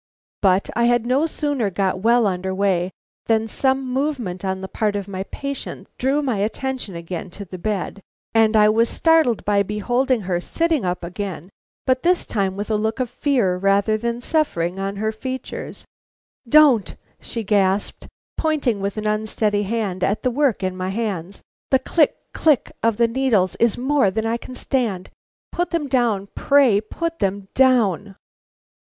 But I had no sooner got well under way than some movement on the part of my patient drew my attention again to the bed, and I was startled by beholding her sitting up again, but this time with a look of fear rather than of suffering on her features. "Don't!" she gasped, pointing with an unsteady hand at the work in my hand. "The click, click of the needles is more than I can stand. Put them down, pray; put them down!"